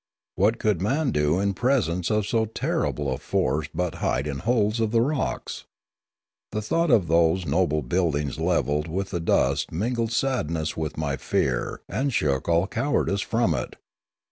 What could man do in presence of so ter rific a force but hide in holes of the rocks? The thought of those noble buildings levelled with the dust mingled sadness with my fear and shook all cowardice from it.